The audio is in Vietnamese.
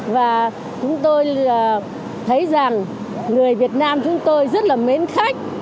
và chúng tôi thấy rằng người việt nam chúng tôi rất là mến khách